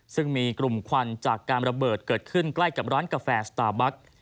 ซึ่งมีกลุ่มควันจากการระเบิดเกิดขึ้นใกล้กับร้านกาแฟสตาร์บัค